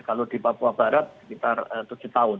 kalau di papua barat sekitar tujuh tahun